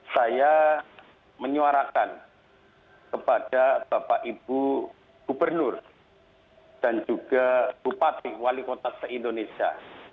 saya menyuarakan kepada bapak ibu gubernur dan juga bupati wali kota se indonesia